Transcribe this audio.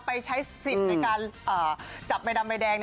ไม่ใช่ที่เท่านั้นนะ